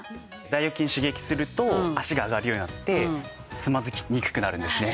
大腰筋を刺激すると脚が上がるようになってつまずきにくくなるんですね。